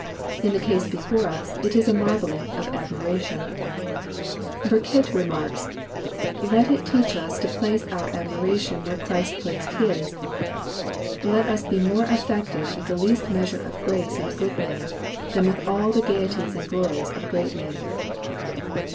In the case before us it is a marvelling of admiration. Burkitt remarks, " Let it teach us to place our admiration where Christ placed His. Let us be more affected with the least measure of grace in a good man, than with all the gaieties and glories of a great man."